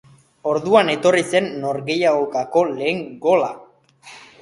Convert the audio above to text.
Orduan etorri zen norgehiagokako lehen gola.